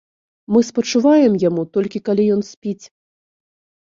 Мы спачуваем яму толькі калі ён спіць.